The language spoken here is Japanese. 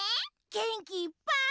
げんきいっぱい。